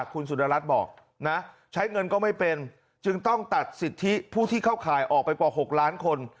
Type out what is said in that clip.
คุณสุดรัฐบอกนะใช้เงินก็ไม่เป็นจึงต้องตัดสิทธิผู้ที่เข้าข่ายออกไปกว่า๖ล้านคน